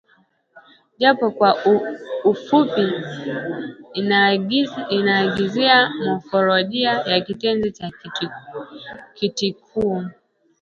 japo kwa ufupi inaangazia mofolojia ya kitenzi cha Kitikuu